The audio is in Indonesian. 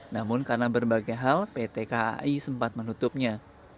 namun karena berbagai hal pt kai sempat menutupnya